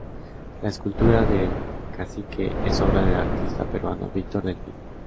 La escultura del cacique es obra del artista peruano Víctor Delfín.